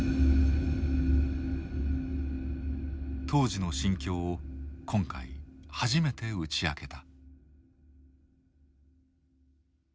当時の心境を今回初めて打ち明けた。